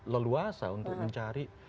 leluasa untuk mencari